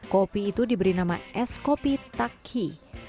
kopi itu diberi nama es kopi tak ki